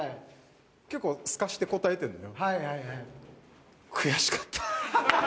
結構すかして答えてんのよ。